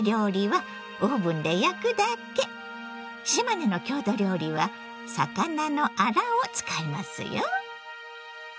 島根の郷土料理は「魚のあら」を使いますよ！